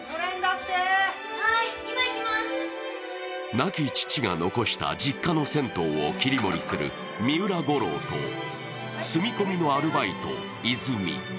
亡き父が残した実家の銭湯を切り盛りする三浦悟朗と住み込みのアルバイト、いづみ。